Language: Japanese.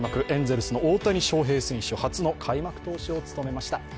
エンゼルスの大谷翔平選手、初の開幕投手を務めました。